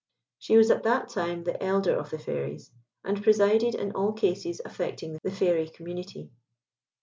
She was at that time the Elder of the Fairies, and presided in all cases affecting the Fairy community.